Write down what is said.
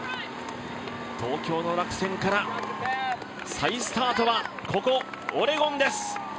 東京の落選から再スタートはここ、オレゴンです。